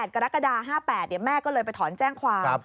กรกฎา๕๘แม่ก็เลยไปถอนแจ้งความ